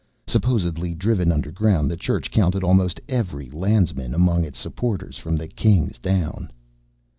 Supposedly driven underground, the Church counted almost every Landsman among its supporters from the Kings down.